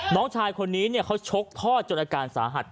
น้องชายคนนี้เขาชกทอดจนอาการสาหัส